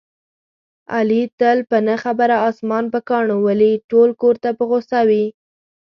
علي تل په نه خبره اسمان په کاڼو ولي، ټول کورته په غوسه وي.